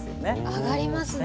上がりますね。